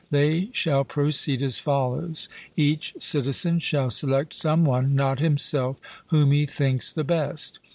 They shall proceed as follows: Each citizen shall select some one, not himself, whom he thinks the best.